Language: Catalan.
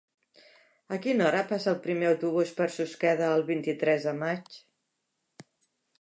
A quina hora passa el primer autobús per Susqueda el vint-i-tres de maig?